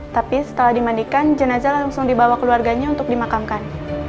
tapi setelah dimandikan jenazah langsung dibawa keluarganya untuk dimakamkan